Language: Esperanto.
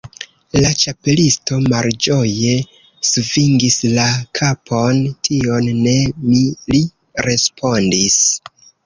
La Ĉapelisto malĝoje svingis la kapon. "Tion ne mi," li respondis."